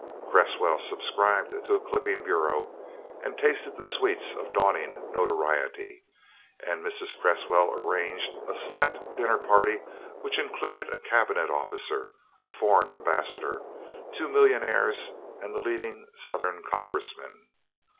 Cresswell subscribed to a clipping bureau and tasted the sweets of dawning notoriety, and Mrs. Cresswell arranged a select dinner party which included a cabinet officer, a foreign ambassador, two millionaires, and the leading Southern Congressmen.